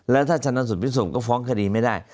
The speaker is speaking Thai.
แล้วถ้าชนะสุดพิส่งก็ฟ้องคดีไม่ได้